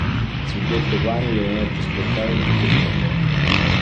Il suddetto pane viene oggi esportato in tutto il mondo.